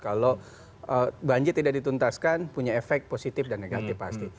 kalau banjir tidak dituntaskan punya efek positif dan negatif pasti